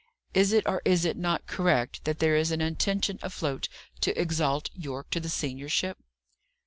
Is it, or is it not correct, that there is an intention afloat to exalt Yorke to the seniorship?"